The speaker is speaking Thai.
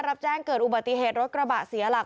รับแจ้งเกิดอุบัติเหตุรถกระบะเสียหลัก